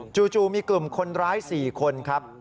จู่มีกลุ่มคนร้าย๔คนครับ